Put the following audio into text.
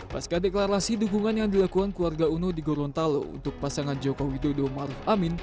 pas ke deklarasi dukungan yang dilakukan keluarga uno di gorontalo untuk pasangan jokowi dodo maruf amin